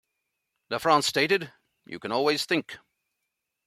LaFrance stated, You can always think.